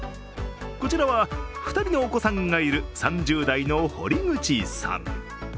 こちらは２人のお子さんがいる３０代の堀口さん。